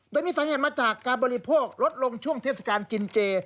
โดยมีสาเหตุมาจากการบริโภคลดลงช่วงเทศกาลกินเจ